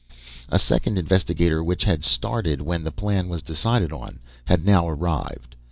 A second investigator, which had started when the plan was decided on, had now arrived.